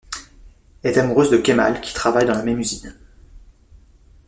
Elle est amoureuse de Kemal qui travaille dans la même usine.